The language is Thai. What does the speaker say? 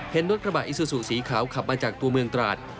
เห็นรถกระบะอิซูซูสีขาวขับมาจากตัวเมืองตราด